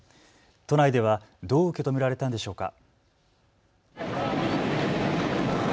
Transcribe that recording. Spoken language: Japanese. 都内ではどう受け止められたんでしょうか。